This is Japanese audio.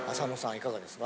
いかがですか？